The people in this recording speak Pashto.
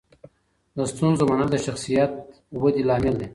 د ستونزو منل د شخصیت ودې لامل دی.